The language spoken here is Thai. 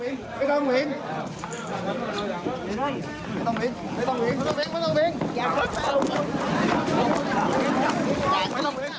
ไม่ต้องวิ่งไม่ต้องวิ่งไม่ต้องวิ่งไม่ต้องวิ่งไม่ต้องวิ่ง